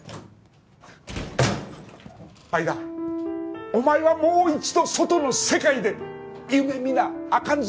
相田お前はもう一度外の世界で夢見なあかんぞ。